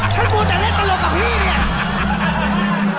มูแต่เล่นตลกกับพี่เนี่ย